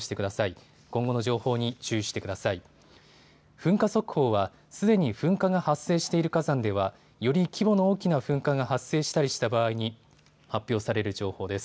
噴火速報は、すでに噴火が発生している火山ではより規模の大きな噴火が発生したりした場合に発表される情報です。